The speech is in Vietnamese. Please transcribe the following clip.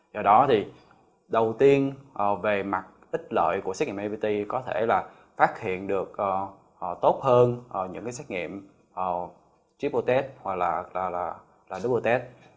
do đó thì đầu tiên về mặt ít lợi của xét nghiệm nipt có thể là phát hiện được tốt hơn những cái xét nghiệm triple test hoặc là double test